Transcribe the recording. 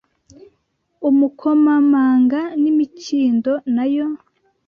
umukomamanga n’imikindo na yo